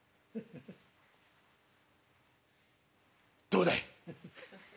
「どうだい」。